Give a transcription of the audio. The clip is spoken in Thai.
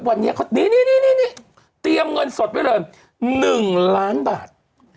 ไปเลยเริ่ม๑ล้านบาทดีพี่เตรียมเงินสดวิเริ่ม๑ล้านบาท